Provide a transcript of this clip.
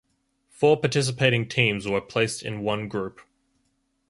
Four participating teams were placed in one group.